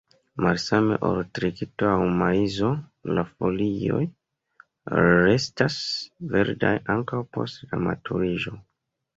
Malsame ol tritiko aŭ maizo, la folioj restas verdaj ankaŭ post la maturiĝo.